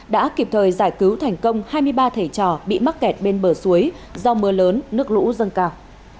đã kịp thời giải cứu thành công hai mươi ba thầy trò bị mắc kẹt bên bờ suối do mưa lớn nước lũ dâng cao